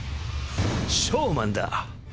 ショーマンだ。